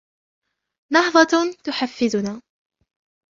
نهضة تحفزنا